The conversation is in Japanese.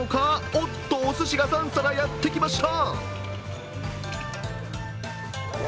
おっと、おすしが３皿やってきました。